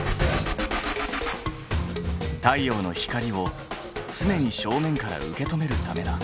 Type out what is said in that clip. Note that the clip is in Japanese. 太陽の光を常に正面から受け止めるためだ。